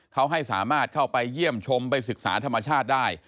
เขาให้สามารถเข้าไปเยี่ยมชมไปศึกษาธรรมชาติได้